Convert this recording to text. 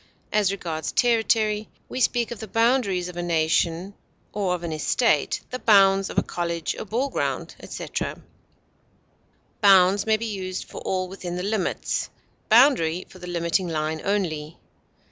As regards territory, we speak of the boundaries of a nation or of an estate; the bounds of a college, a ball ground, etc. Bounds may be used for all within the limits, boundary for the limiting line only.